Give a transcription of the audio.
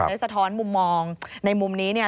ว่าในสถอนมุมมองเนี่ย